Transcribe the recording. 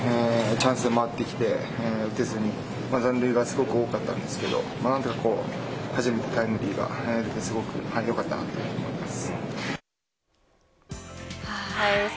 チャンスで回ってきて打てずに残塁が多かったんですけど初めてタイムリーが出てよかったなと思います。